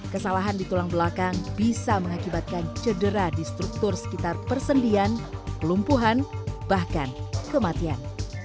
kesalahan di tulang belakang bisa mengakibatkan cedera di struktur sekitar persendian kelumpuhan bahkan kematian